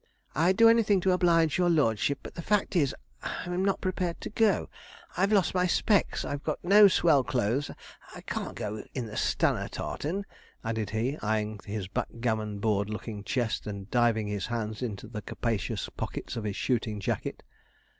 'I'd do anything to oblige your lordship: but the fact is, sir, I'm not prepared to go. I've lost my specs I've got no swell clothes I can't go in the Stunner tartan,' added he, eyeing his backgammon board looking chest, and diving his hands into the capacious pockets of his shooting jacket.